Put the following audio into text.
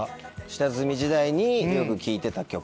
下積み時代によく聴いてた曲。